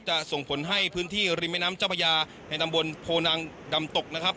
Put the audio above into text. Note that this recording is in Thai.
ส่งผลให้พื้นที่ริมแม่น้ำเจ้าพระยาในตำบลโพนังดำตกนะครับ